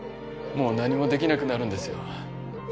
もう何もできなくなるんですよ